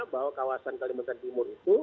bahwa kawasan kalimantan timur itu